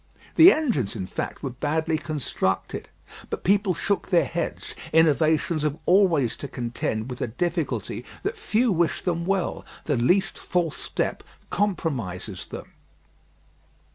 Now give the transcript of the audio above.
The engines, in fact, were badly constructed. But people shook their heads. Innovations have always to contend with the difficulty that few wish them well. The least false step compromises them.